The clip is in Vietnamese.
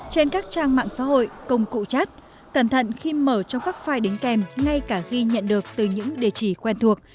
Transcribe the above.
trên các trang mạng xã hội công cụ chat cẩn thận khi mở trong các file đính kèm ngay cả ghi nhận được từ những địa chỉ quen thuộc